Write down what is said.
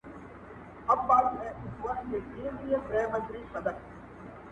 لوبي له لمبو سره بل خوند لري.!